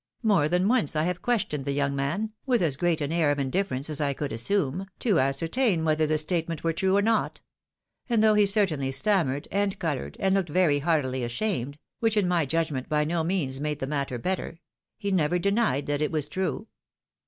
More than once I have questioned the young man, with as great an air of in difference as I could assume, to ascertain whether the statement were true or not ; and though he certainly stammered, , and PROBATION OP LOVE. 377 coloured, and looked very heartily ashamed (wliieh in my judg ment by no means made the matter better), he never denied that it was true.